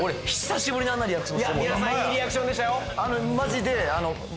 いいリアクションでしたよ